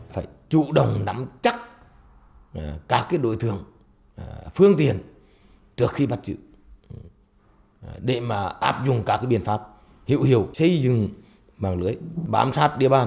phải chủ động nắm chắc các đối tượng phương tiện trước khi bắt giữ để mà áp dụng các biện pháp hiệu hiệu xây dựng mạng lưới bám sát địa bàn